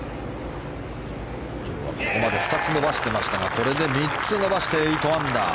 ここまで２つ伸ばしてましたがこれで３つ伸ばして８アンダー。